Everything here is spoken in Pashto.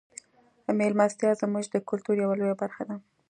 میلمستیا زموږ د کلتور یوه لویه برخه ده.